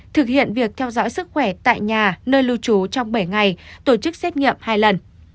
thực hiện việc theo dõi sức khỏe tại nhà nơi lưu trú trong bảy ngày tổ chức xét nghiệm hai lần